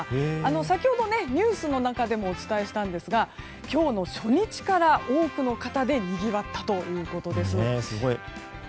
先ほど、ニュースの中でもお伝えしたんですが今日の初日から多くの方でにぎわったということです。